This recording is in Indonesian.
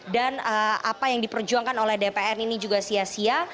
dan apa yang diperjuangkan oleh dpr ini juga sia sia